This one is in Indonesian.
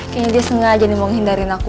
kayaknya dia sengaja nih mau ngindarin aku